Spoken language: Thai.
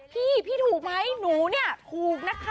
พี่พี่ถูกไหมหนูเนี่ยถูกนะคะ